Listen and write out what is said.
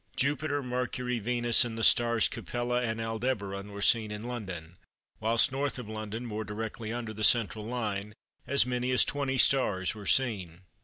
Jupiter, Mercury, Venus, and the stars Capella and Aldebaran were seen in London, whilst N. of London, more directly under the central line, as many as twenty stars were seen.